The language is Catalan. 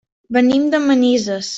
Venim de Manises.